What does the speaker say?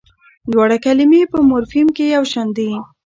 دواړه کلمې په مورفیم کې یوشان دي.